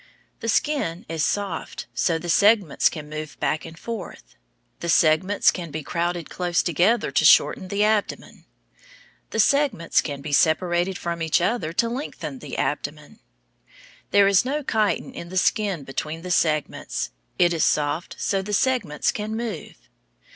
The skin is soft so the segments can move back and forth. The segments can be crowded close together to shorten the abdomen. The segments can be separated from each other to lengthen the abdomen. There is no chitin in the skin between the segments. It is soft so the segments can move.